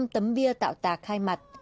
năm tấm bia tạo tạc hai mặt